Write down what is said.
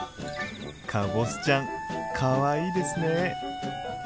かぼすちゃんかわいいですね！